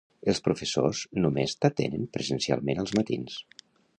Els professors només t'atenen presencialment als matins.